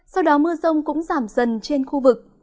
sau đó mưa rông cũng giảm dần trên khu vực